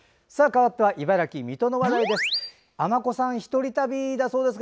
かわっては茨城・水戸の話題です。